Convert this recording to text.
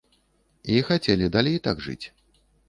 І хацелі далей так жыць.